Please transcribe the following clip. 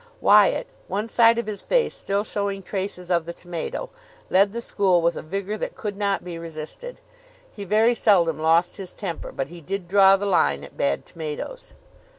Wyatt, one side of his face still showing traces of the tomato, led the school with a vigour that could not be resisted. He very seldom lost his temper, but he did draw the line at bad tomatoes.